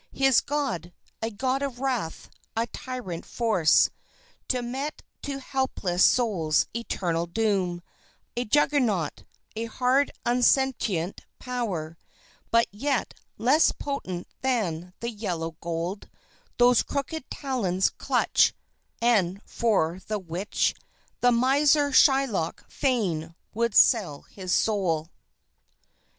His God, a God of wrath, a tyrant force To mete to helpless souls eternal doom; A Juggernaut, a hard unsentient power, But yet less potent than the yellow gold Those crooked talons clutch, and for the which The miser Shylock fain would sell his soul.